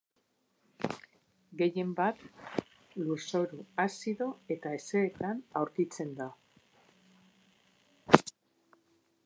Gehienbat, lurzoru azido eta hezeetan aurkitzen da.